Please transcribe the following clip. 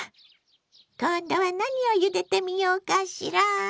今度は何をゆでてみようかしら。